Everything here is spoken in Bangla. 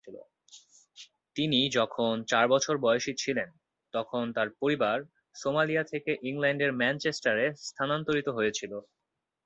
তিনি যখন চার বছর বয়সী ছিলেন, তখন তার পরিবার সোমালিয়া থেকে ইংল্যান্ডের ম্যানচেস্টারে স্থানান্তরিত হয়েছিল।